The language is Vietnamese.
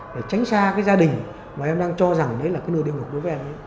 để tránh xa gia đình mà em đang cho rằng là nơi địa ngục đối với em